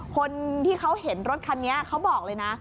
คนที่เขาเห็นรถคันนี้เขาบอกเลยนะ